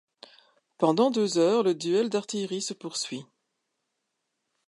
Pendant deux heures le duel d'artillerie se poursuit.